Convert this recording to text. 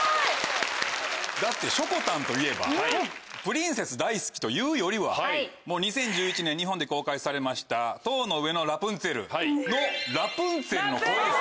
だってしょこたんといえばプリンセス大好きというよりはもう２０１１年日本で公開されました『塔の上のラプンツェル』のラプンツェルの声です。